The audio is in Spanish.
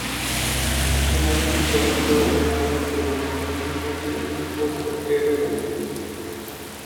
Su imagen actual fue ordenada por el entonces Presidente Óscar R. Benavides.